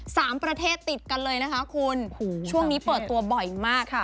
ประเทศติดกันเลยนะคะคุณโอ้โหช่วงนี้เปิดตัวบ่อยมากค่ะ